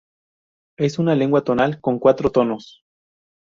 Es una lengua tonal con cuatro tonos.